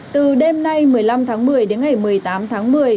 từ đêm nay một mươi năm tháng một mươi đến ngày một mươi tám tháng một mươi